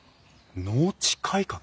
農地改革？